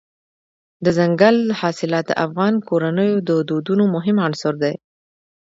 دځنګل حاصلات د افغان کورنیو د دودونو مهم عنصر دی.